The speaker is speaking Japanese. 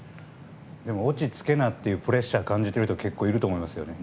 でも、オチつけなってプレッシャー感じてる人結構いると思いますけどね。